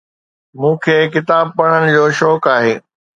مون کي ڪتاب پڙھن جو شوق آھي.